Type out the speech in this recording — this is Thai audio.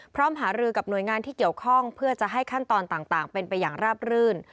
พร้อมหารือกับหน่วยงานที่เกี่ยวข้องเพื่อจะให้ขั้นตอนต่างเป็นไปอย่างราบรื่น